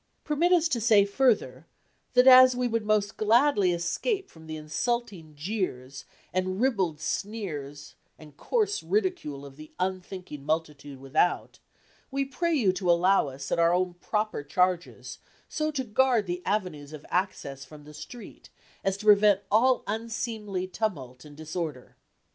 Permit us to say further, that as we would most gladly escape from the insulting jeers, and ribald sneers and coarse ridicule of the unthinking multitude without, we pray you to allow us, at our own proper charges, so to guard the avenues of access from the street, as to prevent all unseemly tumult and disorder.